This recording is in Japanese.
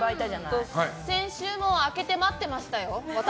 先週も、空けて待ってましたよ。